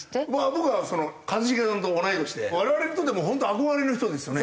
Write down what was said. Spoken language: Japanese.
僕は一茂さんと同い年で我々にとっても本当憧れの人ですよね。